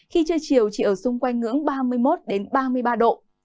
khi trưa chiều chỉ ở xung quanh ngưỡng ba mươi một ba mươi ba độ